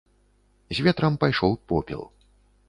З ветрам пайшоў попел.